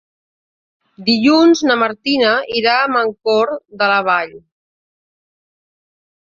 Dilluns na Martina irà a Mancor de la Vall.